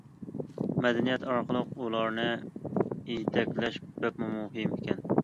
مەدەنىيەت ئارقىلىق ئۇلارنى يېتەكلەش بەكمۇ مۇھىم ئىكەن.